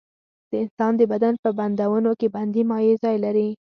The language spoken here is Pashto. د انسان د بدن په بندونو کې بندي مایع ځای لري.